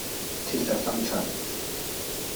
鐵石心腸